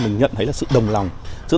mình nhận thấy là sự đồng lòng